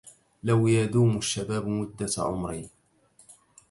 لو يدوم الشباب مدة عمري